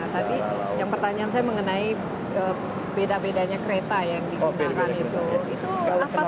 tadi yang pertanyaan saya mengenai beda bedanya kereta yang digunakan itu